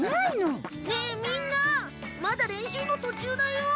ねえみんなまだ練習の途中だよ。